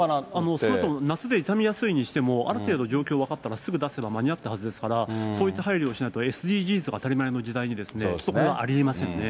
そもそも夏で傷みやすいにしても、ある程度状況が分かったら、すぐ出せば間に合ったはずですから、そういった配慮をしないと、ＳＤＧｓが当たり前の時代にちょっとこれはありえませんね。